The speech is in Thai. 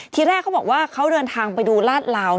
ทีแรกเขาบอกว่าเขาเดินทางไปดูลาดเหลา